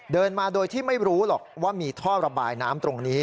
เดินมาโดยที่ไม่รู้หรอกว่ามีท่อระบายน้ำตรงนี้